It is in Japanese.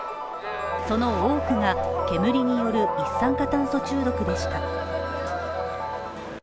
その多くが煙による一酸化炭素中毒です。